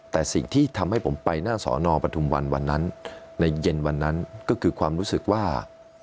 แต่สิ่งที่ทำให้ผมไปหน้าสอนอปทุมวันวันนั้นในเย็นวันนั้นก็คือความรู้สึกว่า